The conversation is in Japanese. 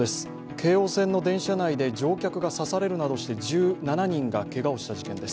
京王線の電車内で乗客が刺されるなどして１７人がけがをした事件です。